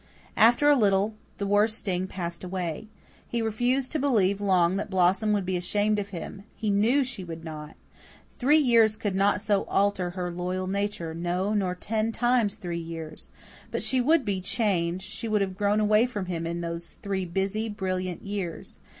After a little the worst sting passed away. He refused to believe long that Blossom would be ashamed of him; he knew she would not. Three years could not so alter her loyal nature no, nor ten times three years. But she would be changed she would have grown away from him in those three busy, brilliant years.